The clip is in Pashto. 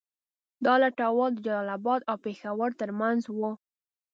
دا لوټول د جلال اباد او پېښور تر منځ وو.